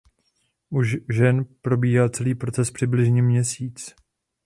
U žen probíhá celý proces přibližně měsíc.